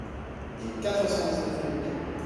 et quatre cent dix-neuf pp.